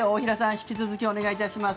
引き続きお願いします。